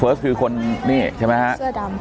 เพิร์สคือนี่ใช่มั้ยฮะ